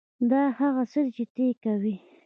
دا هغه څه دي چې ته یې کوې